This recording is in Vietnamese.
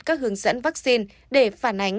các hướng dẫn vaccine để phản ánh